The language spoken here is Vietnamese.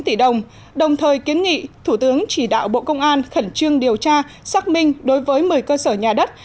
ba mươi chín chín tỷ đồng đồng thời kiến nghị thủ tướng chỉ đạo bộ công an khẩn trương điều tra xác minh đối với một mươi cơ sở nhà đất